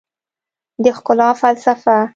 د ښکلا فلسفه